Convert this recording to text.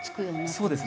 そうですね。